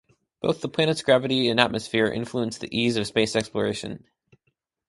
Both the planet's gravity and atmosphere influence the ease of space exploration.